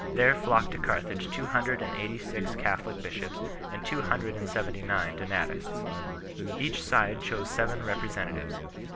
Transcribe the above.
There flocked to Carthage two hundred and eighty six Catholic bishops and two hundred and seventy nine Donatists. Each side chose seven representatives.